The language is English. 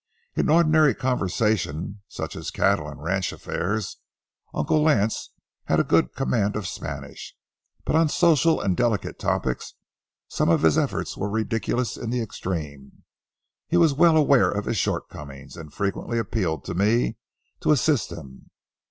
In ordinary conversation, such as cattle and ranch affairs, Uncle Lance had a good command of Spanish; but on social and delicate topics some of his efforts were ridiculous in the extreme. He was well aware of his shortcomings, and frequently appealed to me to assist him.